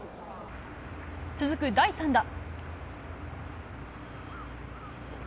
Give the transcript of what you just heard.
続く第３打。